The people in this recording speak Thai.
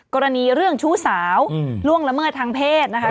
กรณีเรื่องชู้สาวล่วงละเมิดทางเพศนะคะ